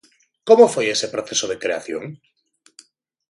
Como foi ese proceso de creación?